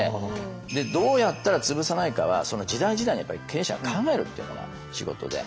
どうやったらつぶさないかはその時代時代に経営者が考えるっていうのが仕事で。